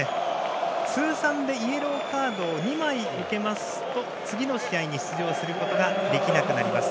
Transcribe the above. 通算でイエローカードを２枚受けますと次の試合に出場することができなくなります。